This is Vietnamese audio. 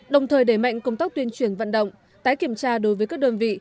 đồng thời đẩy mạnh công tác tuyên truyền vận động tái kiểm tra đối với các đơn vị